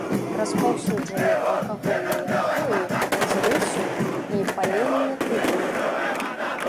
Распаўсюджаны алкагольныя напоі з рысу і паленне тытуню.